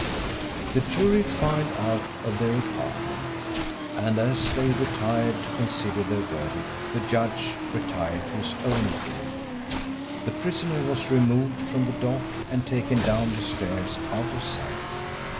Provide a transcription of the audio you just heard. The jury filed out of their apartment, and as they retired to consider their verdict the judge retired to his own room. The prisoner was removed from the dock and taken down the stairs out of sight.